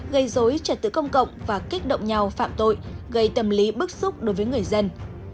gây dối trật tự công cộng và kích động nhau phạm tội gây tâm lý bức xúc đối với người dân